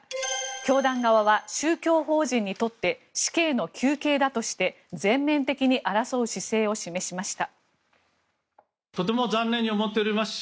教団側は宗教法人にとって死刑の求刑だとして全面的に争う姿勢を示しました。